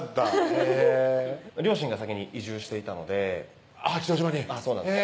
へぇ両親が先に移住していたので八丈島にそうなんです